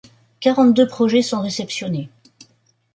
Quarante-deux projets sont réceptionnés.